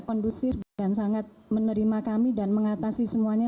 kondusif dan sangat menerima kami dan mengatasi semuanya